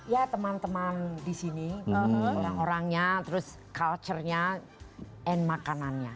ya teman teman disini orang orangnya terus culturenya and makanannya